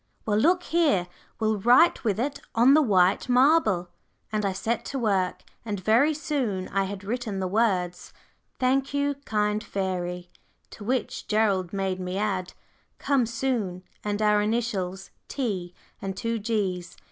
Well, look here, we'll write with it on the white marble," and I set to work, and very soon I had written the words, "Thank you, kind fairy," to which Gerald made me add, "Come soon," and our initials, "T" and two "G's."